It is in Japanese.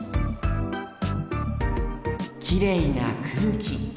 きれいな空気。